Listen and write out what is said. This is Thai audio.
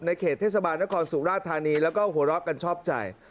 เขตเทศบาลนครสุราธานีแล้วก็หัวเราะกันชอบใจ